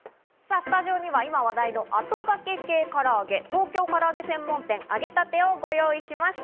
スタジオには今話題のあとがけ系からあげ、東京から揚げ専門店あげたてをご用意しました。